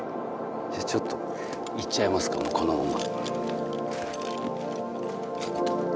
じゃあちょっと行っちゃいますかもうこのまま。